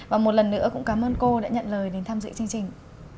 và một lần nữa cũng cảm ơn cô đã nhận lời đến tham dự chương trình